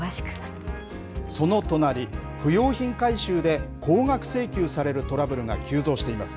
その隣不用品回収で高額請求されるトラブルが急増しています。